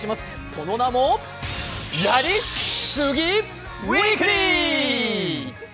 その名も「やり杉！ウィークリー！」